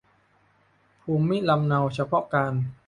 ภูมิลำเนาเฉพาะการ